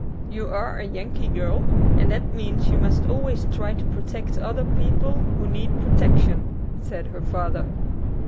"You are a Yankee girl. And that means you must always try to protect other people who need protection," said her father.